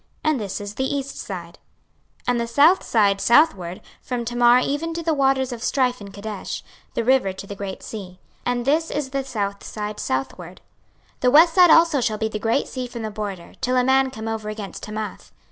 And this is the east side. 26:047:019 And the south side southward, from Tamar even to the waters of strife in Kadesh, the river to the great sea. And this is the south side southward. 26:047:020 The west side also shall be the great sea from the border, till a man come over against Hamath.